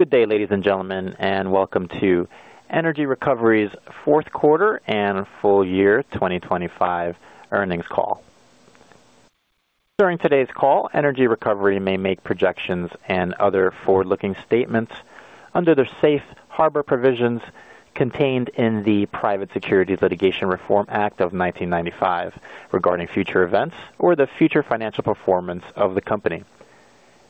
Good day, ladies and gentlemen, and welcome to Energy Recovery's Q4 and full year 2025 earnings call. During today's call, Energy Recovery may make projections and other forward-looking statements under the safe harbor provisions contained in the private securities litigation reform act of 1995 regarding future events or the future financial performance of the company.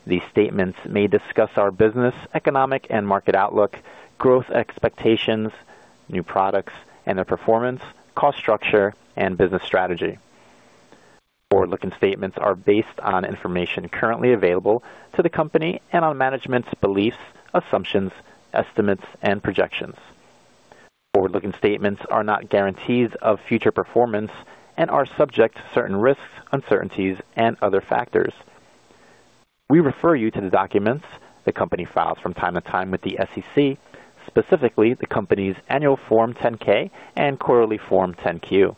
These statements may discuss our business, economic and market outlook, growth expectations, new products and their performance, cost structure, and business strategy. Forward-looking statements are based on information currently available to the company and on management's beliefs, assumptions, estimates, and projections. Forward-looking statements are not guarantees of future performance and are subject to certain risks, uncertainties, and other factors. We refer you to the documents the company files from time to time with the SEC, specifically the company's annual form 10-K and quarterly form 10-Q.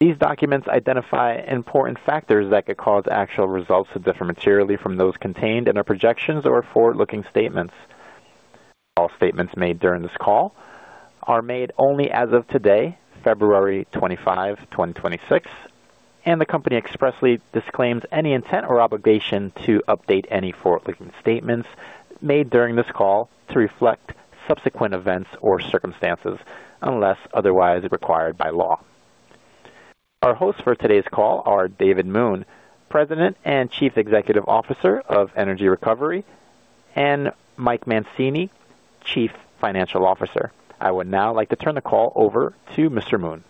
These documents identify important factors that could cause actual results to differ materially from those contained in our projections or forward-looking statements. All statements made during this call are made only as of today, February 25th, 2026, and the company expressly disclaims any intent or obligation to update any forward-looking statements made during this call to reflect subsequent events or circumstances unless otherwise required by law. Our hosts for today's call are David Moon, president and chief executive officer of Energy Recovery, and Joshua Ballard, chief financial officer. I would now like to turn the call over to Mr. Moon.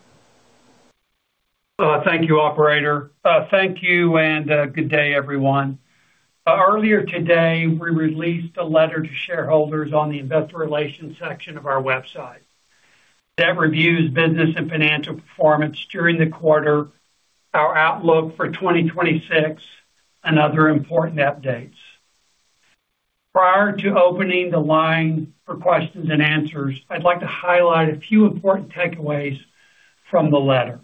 Thank you, operator. Thank you, good day, everyone. Earlier today, we released a letter to shareholders on the investor relations section of our website. That reviews business and financial performance during the quarter, our outlook for 2026, and other important updates. Prior to opening the line for questions and answers, I'd like to highlight a few important takeaways from the letter.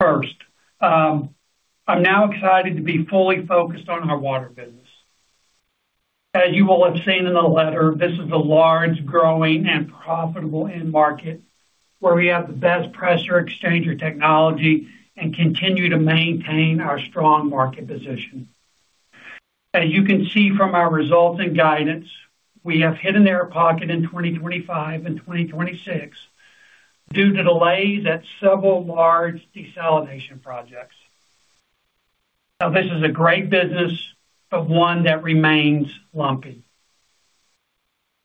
First, I'm now excited to be fully focused on our water business. As you will have seen in the letter, this is a large, growing, and profitable end market, where we have the best Pressure Exchanger technology and continue to maintain our strong market position. As you can see from our results and guidance, we have hit an air pocket in 2025 and 2026 due to delays at several large desalination projects. This is a great business, but one that remains lumpy.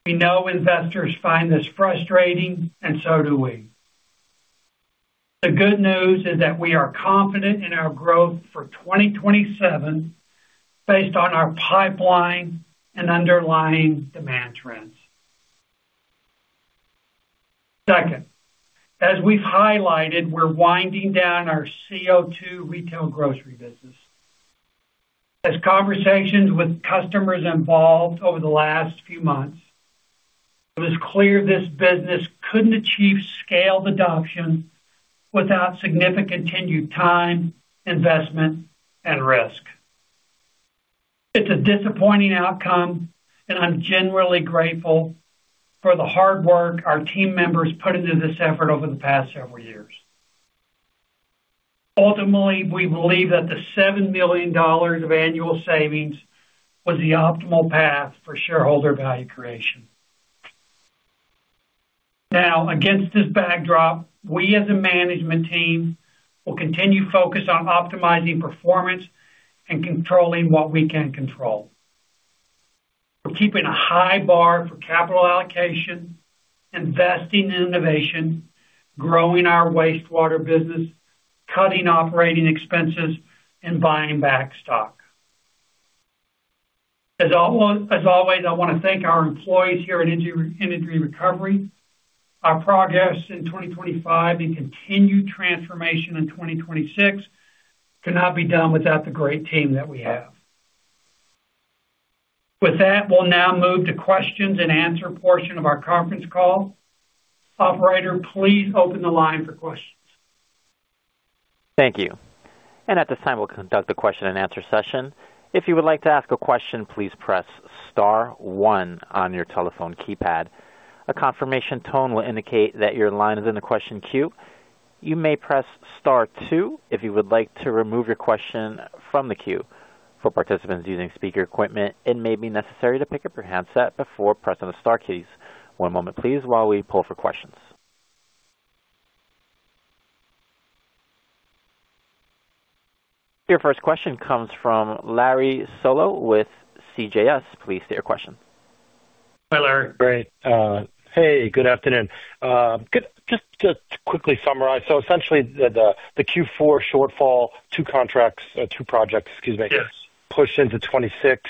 We know investors find this frustrating, and so do we. The good news is that we are confident in our growth for 2027 based on our pipeline and underlying demand trends. Second, as we've highlighted, we're winding down our CO2 retail grocery business. As conversations with customers involved over the last few months, it is clear this business couldn't achieve scaled adoption without significant continued time, investment, and risk. It's a disappointing outcome, and I'm genuinely grateful for the hard work our team members put into this effort over the past several years. Ultimately, we believe that the $7 billion of annual savings was the optimal path for shareholder value creation. Against this backdrop, we as a management team will continue to focus on optimizing performance and controlling what we can control. We're keeping a high bar for capital allocation, investing in innovation, growing our wastewater business, cutting operating expenses, and buying back stock. As always, I want to thank our employees here at Energy Recovery. Our progress in 2025 and continued transformation in 2026 could not be done without the great team that we have. With that, we'll now move to questions and answer portion of our conference call. Operator, please open the line for questions. Thank you. At this time, we'll conduct a question-and-answer session. If you would like to ask a question, please press star one on your telephone keypad. A confirmation tone will indicate that your line is in the question queue. You may press star two if you would like to remove your question from the queue. For participants using speaker equipment, it may be necessary to pick up your handset before pressing the star keys. One moment, please, while we pull for questions. Your first question comes from Larry Solow with CJS. Please state your question. Hi, Larry. Great. hey, good afternoon. Just to quickly summarize, essentially the Q4 shortfall, two contracts, two projects, excuse me. Yes. pushed into 2026.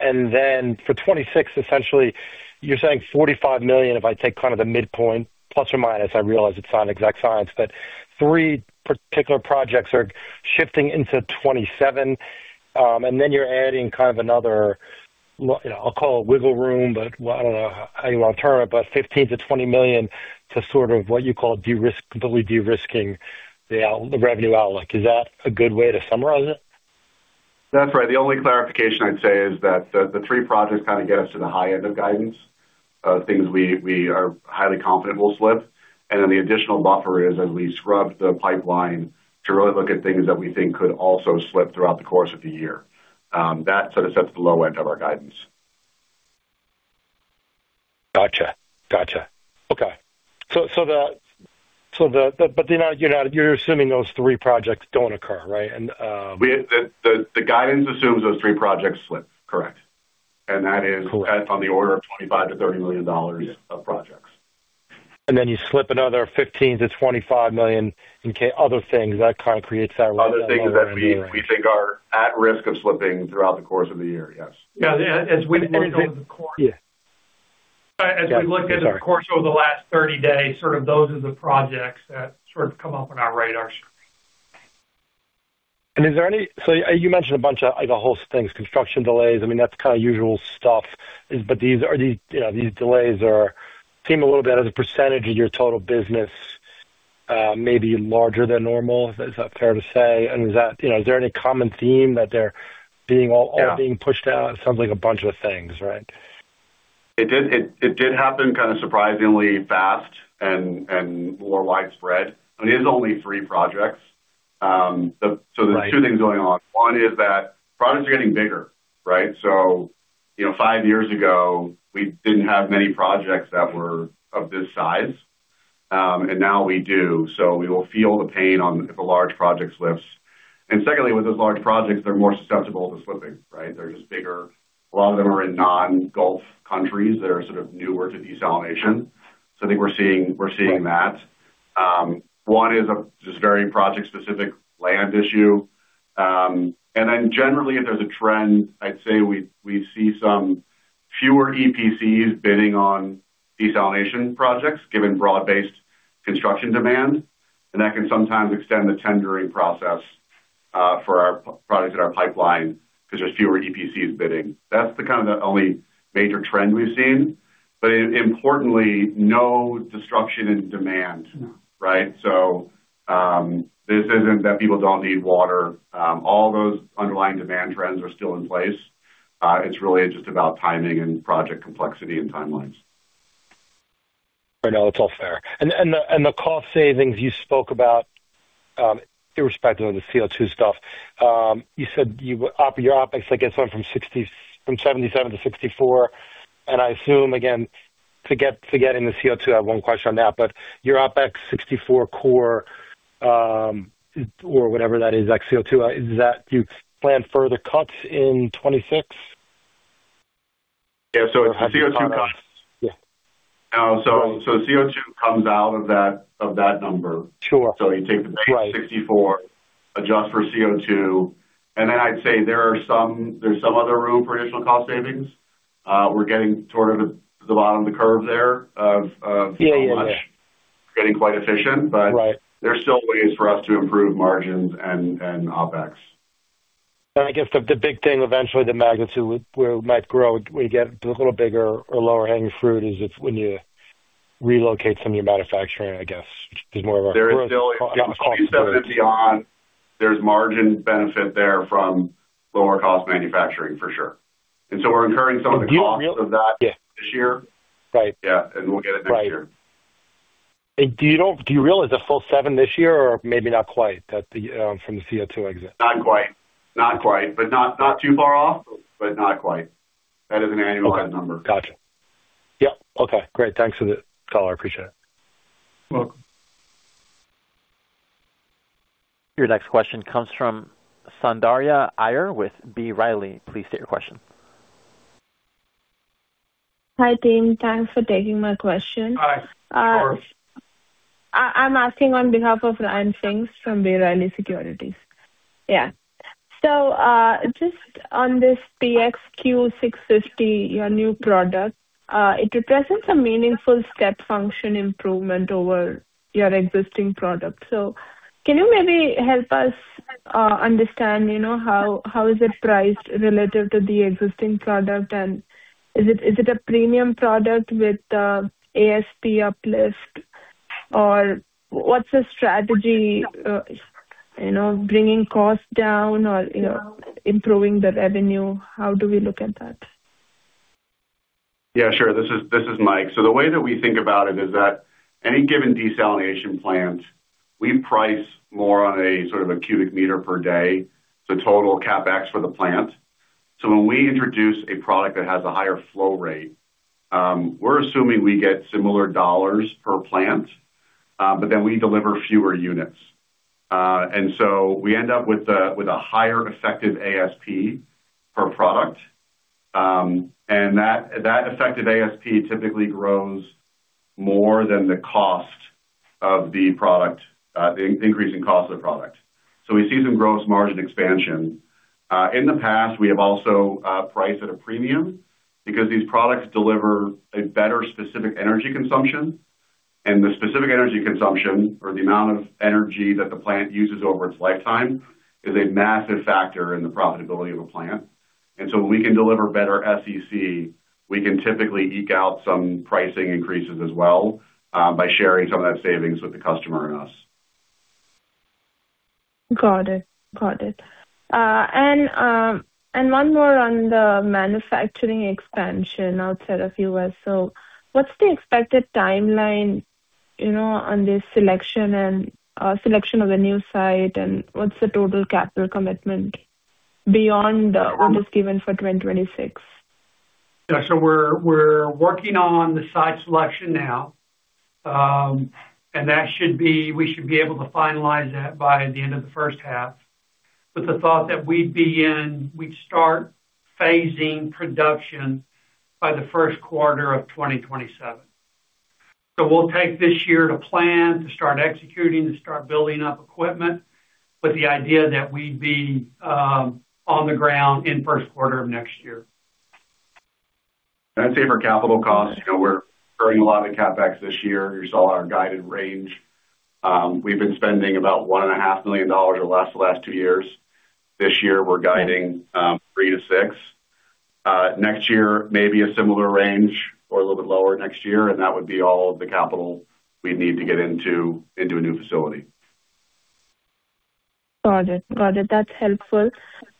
For 2026, essentially, you're saying $45 million, if I take kind of the midpoint, plus or minus, I realize it's not exact science, but three particular projects are shifting into 2027. You're adding kind of another, you know, I'll call it wiggle room, but I don't know how you want to term it, but $15 million-$20 million to sort of what you call de-risk, completely de-risking the revenue outlook. Is that a good way to summarize it? That's right. The only clarification I'd say is that the three projects kind of get us to the high end of guidance of things we are highly confident will slip. The additional buffer is as we scrub the pipeline to really look at things that we think could also slip throughout the course of the year, that sort of sets the low end of our guidance. Got you. Okay. So the, you're not, you're assuming those three projects don't occur, right? We, the guidance assumes those three projects slip. Correct. That is. Cool. On the order of $25 million-$30 million of projects. You slip another $15 million-$25 million in other things that kind of creates that range. Other things that we think are at risk of slipping throughout the course of the year. Yes. Yeah, as we look at. Yeah. As we look at the course over the last 30 days, sort of those are the projects that sort of come up on our radar screen. Is there any... You mentioned a bunch of, like, a host of things, construction delays. I mean, that's kind of usual stuff. These, you know, these delays seem a little bit as a percentage of your total business, maybe larger than normal. Is that fair to say? Is that... You know, is there any common theme that they're being, all... Yeah. Being pushed out? It sounds like a bunch of things, right? It did, it did happen kind of surprisingly fast and more widespread. It is only three projects. Right. There's two things going on. One is that projects are getting bigger, right? You know, five years ago, we didn't have many projects that were of this size, and now we do. We will feel the pain on if a large project slips. Secondly, with those large projects, they're more susceptible to slipping, right? They're just bigger. A lot of them are in non-gulf countries that are sort of newer to desalination. I think we're seeing that. One is a just very project-specific land issue. Then generally, if there's a trend, I'd say we see some fewer EPCs bidding on desalination projects, given broad-based construction demand, and that can sometimes extend the tendering process for our projects in our pipeline because there's fewer EPCs bidding. That's the kind of the only major trend we've seen, but importantly, no disruption in demand, right? This isn't that people don't need water. All those underlying demand trends are still in place. It's really just about timing and project complexity and timelines. I know it's all fair. The cost savings you spoke about, irrespective of the CO2 stuff, you said your OpEx, I guess, went from $77 to $64, and I assume, again, forgetting the CO2, I have one question on that, but your OpEx $64 core, or whatever that is, like CO2, is that you plan further cuts in 2026? Yeah, it's CO2 cuts. Yeah. CO2 comes out of that number. Sure. you take the 64- Right. Adjust for CO2, then I'd say there's some other room for additional cost savings. We're getting sort of to the bottom of the curve there of. Yeah, yeah. How much, getting quite efficient? Right. There are still ways for us to improve margins and OpEx. I guess the big thing, eventually, the magnitude where it might grow, when you get a little bigger or lower hanging fruit, is if when you relocate some of your manufacturing, I guess. There is still, beyond, there's margin benefit there from lower cost manufacturing, for sure. We're incurring some of the costs of that. Yeah. This year. Right. Yeah, we'll get it next year. Right. Do you realize a full seven this year or maybe not quite at the from the CO2 exit? Not quite. Not quite, but not too far off, but not quite. That is an annualized number. Got you. Yep. Okay, great. Thanks for the call. I appreciate it. Welcome. Your next question comes from Sandhya Iyer with B. Riley. Please state your question. Hi, team. Thanks for taking my question. Hi. Of course. I'm asking on behalf of Ryan Fink from B. Riley Securities. Just on this PX Q650, your new product, it represents a meaningful step function improvement over your existing product. Can you maybe help us understand, you know, how is it priced relative to the existing product? Is it a premium product with the ASP uplift? What's the strategy, you know, bringing costs down or, you know, improving the revenue? How do we look at that? Yeah, sure. This is Mike. The way that we think about it is that any given desalination plant, we price more on a sort of a cubic meter per day, so total CapEx for the plant. When we introduce a product that has a higher flow rate, we're assuming we get similar dollars per plant, but then we deliver fewer units. We end up with a higher effective ASP per product. That effective ASP typically grows more than the cost of the product, the increase in cost of the product. We see some gross margin expansion. In the past, we have also priced at a premium because these products deliver a better specific energy consumption, and the specific energy consumption or the amount of energy that the plant uses over its lifetime, is a massive factor in the profitability of a plant. When we can deliver better SEC, we can typically eke out some pricing increases as well, by sharing some of that savings with the customer and us. Got it. One more on the manufacturing expansion outside of US, what's the expected timeline, you know, on this selection and selection of a new site? What's the total capital commitment beyond the one that's given for 2026? Yeah. we're working on the site selection now, we should be able to finalize that by the end of the first half, with the thought that we'd be in, we'd start phasing production by the Q1 of 2027. we'll take this year to plan, to start executing, to start building up equipment, but the idea that we'd be on the ground in Q1 of next year. I'd say for capital costs, you know, we're burning a lot of CapEx this year. You saw our guided range. We've been spending about $1.5 million or less the last two years. This year, we're guiding $3 million-$6 million. Next year, maybe a similar range or a little bit lower next year, that would be all the capital we'd need to get into a new facility. Got it. Got it. That's helpful.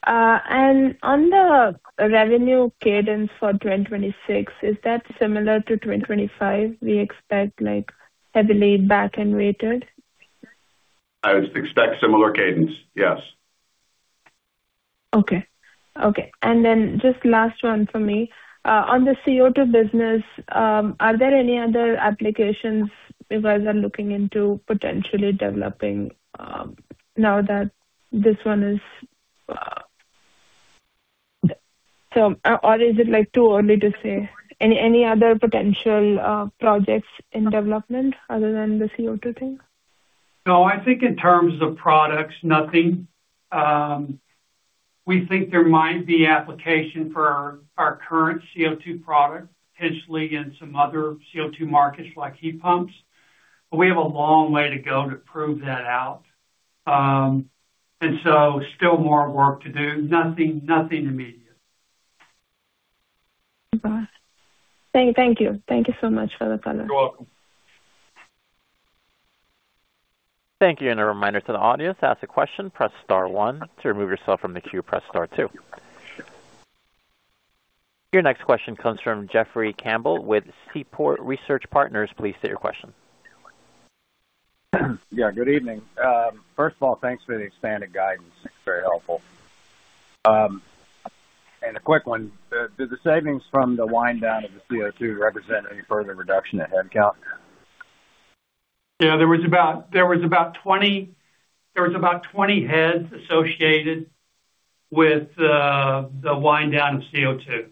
On the revenue cadence for 2026, is that similar to 2025, we expect, like, heavily back-ended weighted? I would expect similar cadence, yes. Okay. Just last one for me. On the CO2 business, are there any other applications you guys are looking into potentially developing now that this one is... or is it, like, too early to say? Any other potential projects in development other than the CO2 thing? No, I think in terms of products, nothing. We think there might be application for our current CO2 product, potentially in some other CO2 markets like heat pumps, but we have a long way to go to prove that out. Still more work to do. Nothing, nothing immediate. Got it. Thank you. Thank you so much for the color. You're welcome. Thank you. A reminder to the audience, to ask a question, press star one. To remove yourself from the queue, press star two. Your next question comes from Jeffrey Campbell with Seaport Research Partners. Please state your question. Yeah, good evening. First of all, thanks for the expanded guidance. It's very helpful. A quick one. Do the savings from the wind down of the CO2 represent any further reduction in headcount? Yeah, there was about 20 heads associated with the wind down of CO2.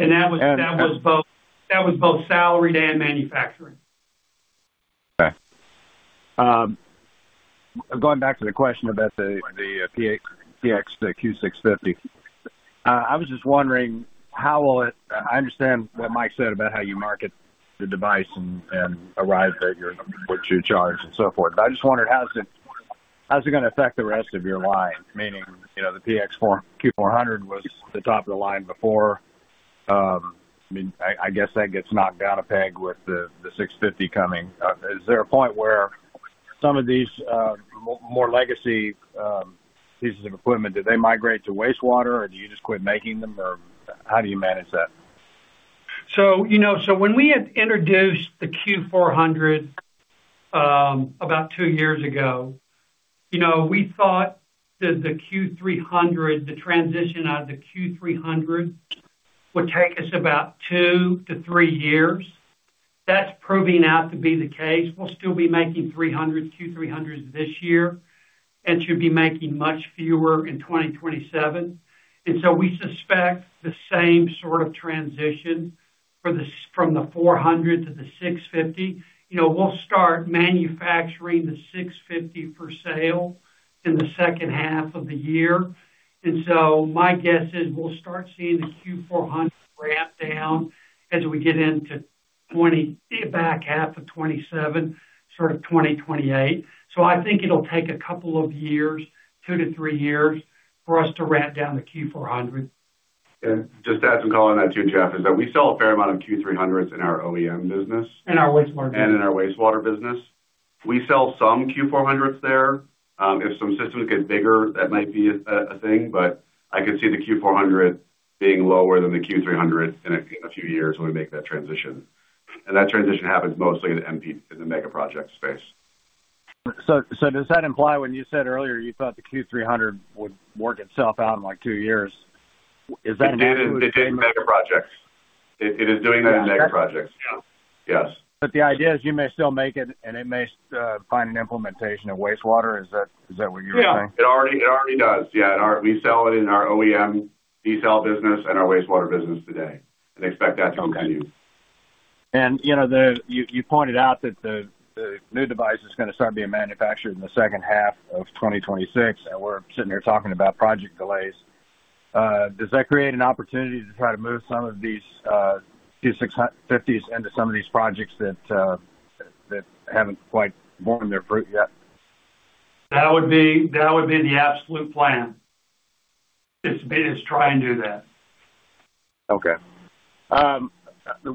Okay. That was both salaried and manufacturing. Going back to the question about the PX Q650. I understand what Mike said about how you market the device and arrive at your, what you charge and so forth, but I just wondered, how is it going to affect the rest of your line? Meaning, you know, the PX Q400 was the top of the line before. I mean, I guess that gets knocked down a peg with the 650 coming. Is there a point where some of these, more legacy pieces of equipment, do they migrate to wastewater, or do you just quit making them, or how do you manage that? You know, so when we had introduced the Q400, about two years ago, you know, we thought that the Q300, the transition out of the Q300, would take us about two to three years. That's proving out to be the case. We'll still be making 300 Q300s this year and should be making much fewer in 2027. We suspect the same sort of transition from the 400 to the 650. You know, we'll start manufacturing the 650 for sale in the second half of the year. My guess is we'll start seeing the Q400 ramp down as we get into the back half of 2027, sort of 2028. I think it'll take a couple of years, two to three years, for us to ramp down the Q400. Yeah. Just to add some color on that, too, Jeff, is that we sell a fair amount of Q300s in our OEM business. In our wastewater. In our wastewater business. We sell some Q400s there. If some systems get bigger, that might be a thing, but I could see the Q400 being lower than the Q300 in a few years when we make that transition. That transition happens mostly in the MP, in the megaproject space. does that imply when you said earlier you thought the Q300 would work itself out in, like, two years, is that an accurate-? It did in megaprojects. It is doing that in megaprojects. Yeah. Yes. The idea is you may still make it, and it may find an implementation in wastewater. Is that what you're saying? Yeah. It already does. Yeah. We sell it in our OEM desalination business and our wastewater business today. Expect that to continue. Okay. You know, the, you pointed out that the new device is going to start being manufactured in the second half of 2026, and we're sitting here talking about project delays. Does that create an opportunity to try to move some of these two 650s into some of these projects that haven't quite borne their fruit yet? That would be the absolute plan. It's been, is try and do that. Okay.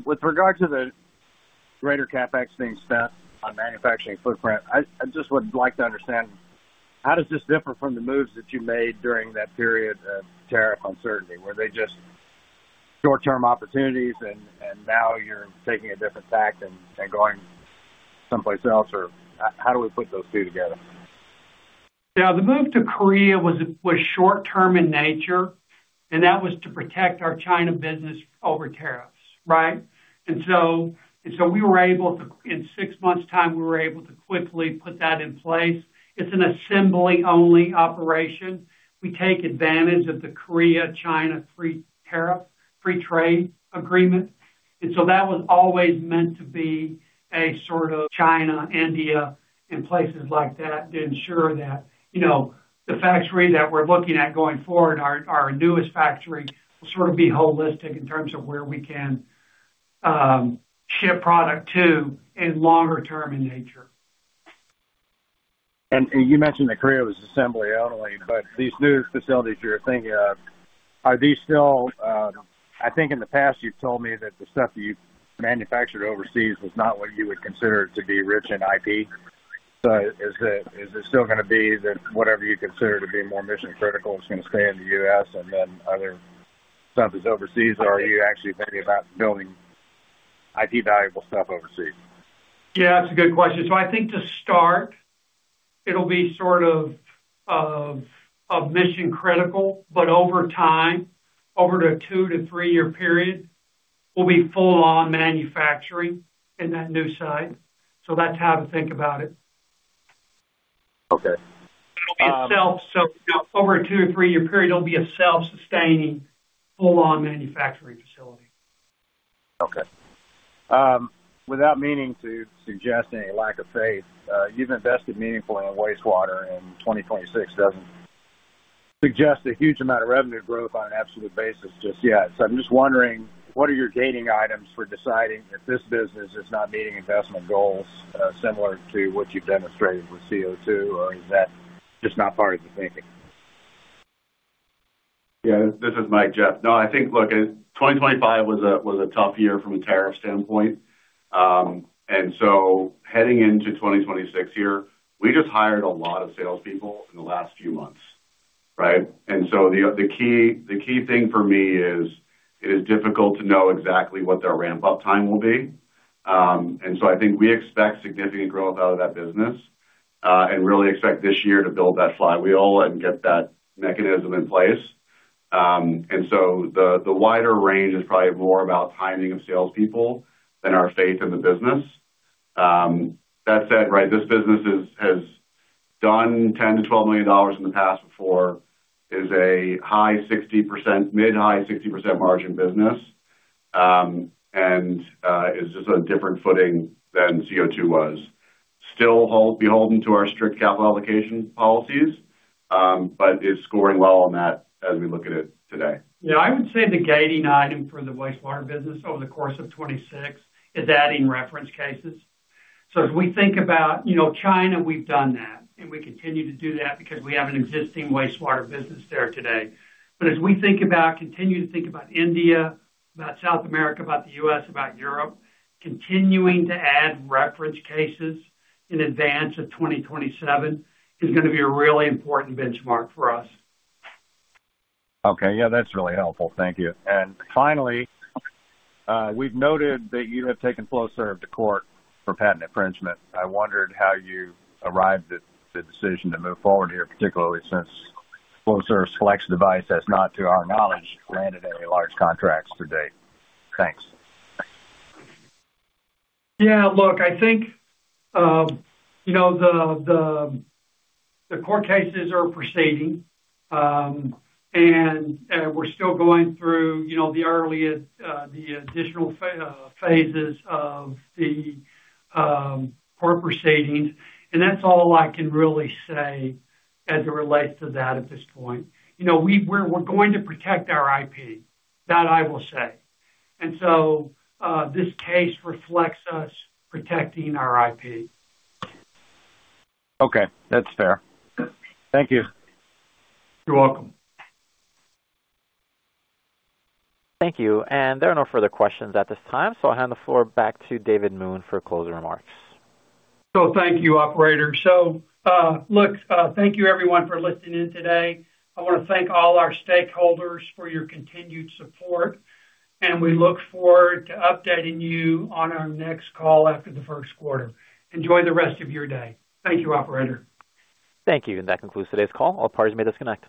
with regard to the greater CapEx being spent on manufacturing footprint, I just would like to understand, how does this differ from the moves that you made during that period of tariff uncertainty? Were they just short-term opportunities, and now you're taking a different tack and going someplace else? Or how do we put those two together? Yeah, the move to Korea was short-term in nature, and that was to protect our China business over tariffs, right? So we were able to quickly put that in place. It's an assembly-only operation. We take advantage of the Korea-China free tariff, Free Trade Agreement. That was always meant to be a sort of China, India, and places like that, to ensure that, you know, the factory that we're looking at going forward, our newest factory, will sort of be holistic in terms of where we can ship product to in longer term in nature. You mentioned that Korea was assembly only, but these new facilities you're thinking of, are these still? I think in the past, you've told me that the stuff you manufactured overseas was not what you would consider to be rich in IP. Is it still gonna be that whatever you consider to be more mission-critical is gonna stay in the U.S., and then other stuff is overseas? Are you actually thinking about building IP valuable stuff overseas? Yeah, that's a good question. I think to start, it'll be sort of a mission-critical, but over time, over a two to three-year period, we'll be full on manufacturing in that new site. That's how to think about it. Okay. Over a two or three-year period, it'll be a self-sustaining, full-on manufacturing facility. Okay. Without meaning to suggest any lack of faith, you've invested meaningfully in wastewater, and 2026 doesn't suggest a huge amount of revenue growth on an absolute basis just yet. I'm just wondering, what are your gating items for deciding if this business is not meeting investment goals, similar to what you've demonstrated with CO2? Or is that just not part of the thinking? Yeah, this is Mike. No, I think, look, 2025 was a, was a tough year from a tariff standpoint. Heading into 2026 here, we just hired a lot of salespeople in the last few months, right? The key thing for me is, it is difficult to know exactly what their ramp-up time will be. I think we expect significant growth out of that business, and really expect this year to build that flywheel and get that mechanism in place. The wider range is probably more about timing of salespeople than our faith in the business. That said, right, this business has done $10 million-$12 million in the past before, is a high 60%, mid-high 60% margin business. It's just a different footing than CO2 was. Still beholden to our strict capital allocation policies, but is scoring well on that as we look at it today. Yeah, I would say the gating item for the wastewater business over the course of 2026 is adding reference cases. As we think about, you know, China, we've done that, and we continue to do that because we have an existing wastewater business there today. As we think about, continue to think about India, about South America, about the US, about Europe, continuing to add reference cases in advance of 2027 is gonna be a really important benchmark for us. Okay. Yeah, that's really helpful. Thank you. Finally, we've noted that you have taken Flowserve to court for patent infringement. I wondered how you arrived at the decision to move forward here, particularly since Flowserve selects a device that's not, to our knowledge, granted any large contracts to date. Thanks. Yeah, look, I think, you know, the, the court cases are proceeding, and, we're still going through, you know, the earliest, the additional phases of the, court proceedings, and that's all I can really say as it relates to that at this point. You know, we're going to protect our IP, that I will say. This case reflects us protecting our IP. Okay, that's fair. Thank you. You're welcome. Thank you. There are no further questions at this time, so I'll hand the floor back to David Moon for closing remarks. Thank you, operator. Look, thank you everyone for listening in today. I wanna thank all our stakeholders for your continued support, and we look forward to updating you on our next call after the Q1. Enjoy the rest of your day. Thank you, operator. Thank you. That concludes today's call. All parties may disconnect.